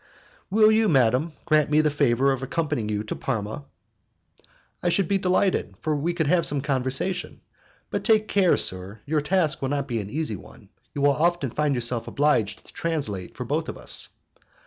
"Will you, madam, grant me the favour of accompanying you to Parma?" "I should be delighted, for we could have some conversation, but take care, sir, your task will not be an easy one, you will often find yourself obliged to translate for both of us."